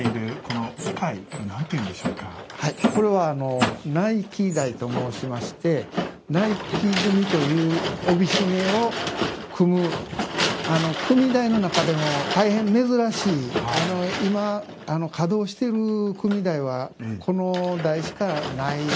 これは内記台と申しまして内記組という帯締めを組む組台の中でも大変珍しい今稼働してる組台はこの台しかない大変貴重な組台です。